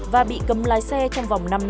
và bị cầm lái xe trong vòng năm năm